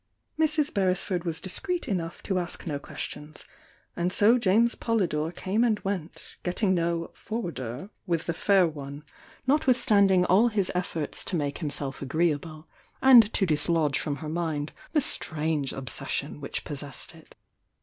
Mrs. Beresford was discreet enough to ask no questions, and so James Polydore came and went, getting no "forrader" with the fair one, notwith THE YOUNG DIANA 851 S!!?'l!?*^*? J"'" l^°''*l *° ""^e himself agreeable «uid to dislodge from her mind the Strang! ob^s sion which possessed it.